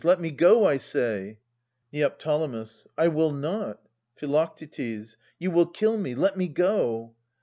Let me go, I say! Neo. I will not. Phi. You will kill me. Let me go